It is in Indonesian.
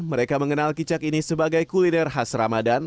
mereka mengenal kicak ini sebagai kuliner khas ramadan